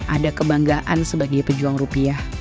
ada kebanggaan sebagai pejuang rupiah